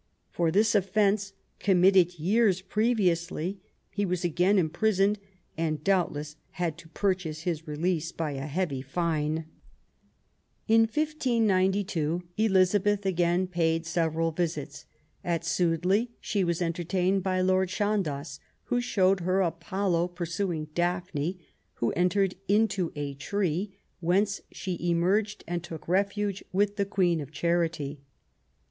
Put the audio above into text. For this offence, committed years previously, he was again imprisoned, and doubtless had to purchase his release by a heavy fine. In 1592 Elizabeth again paid several visits. At Sudeley she was entertained by Lord Chandos, who showed her Apollo pursuing Daphne, who entered into a tree, whence she emerged and took refuge with "the Queen of Charity".